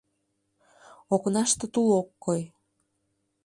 Окнаште тул ок кой.